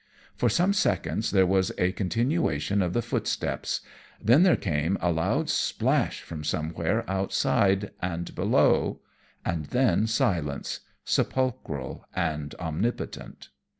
For some seconds there was a continuation of the footsteps, then there came a loud splash from somewhere outside and below and then silence sepulchral and omnipotent.